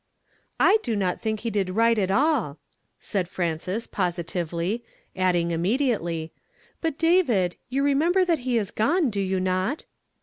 ''I do not think he did right at all," said Frances positively, adding immediately, " But, David, you remember that he is gone, do you not